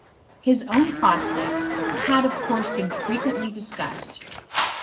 His own prospects had of course been frequently discussed.